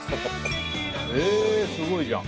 へすごいじゃん。